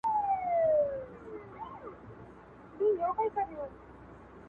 د مُحبت کچکول په غاړه وړم د میني تر ښار,